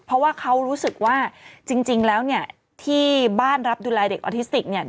เพราะว่าเขารู้สึกว่าจริงแล้วเนี่ยที่บ้านรับดูแลเด็กออทิสติกเนี่ย